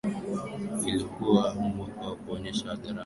ilikuwa mwiko kuonyesha hadharani upinzani kama huo